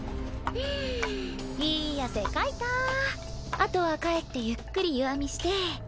あとは帰ってゆっくり湯あみして。